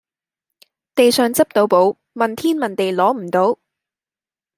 地上執到寶，問天問地攞唔到